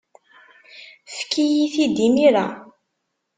Efk-iyi-t-id imir-a.